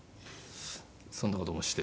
そんな事もして。